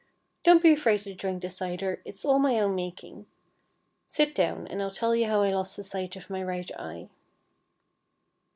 Don't be afraid to drink the cider. It's all my own making. Sit down, and I'll tell you how I lost the sight of my right eye.